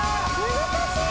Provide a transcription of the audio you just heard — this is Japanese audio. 難しい。